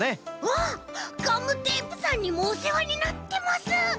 わあガムテープさんにもおせわになってます。